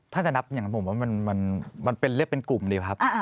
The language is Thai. ถ้าจะนับอย่างผมว่ามันเป็นเรียกเป็นกลุ่มเลยครับ